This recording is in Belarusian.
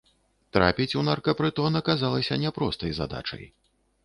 Трапіць у наркапрытон аказалася няпростай задачай.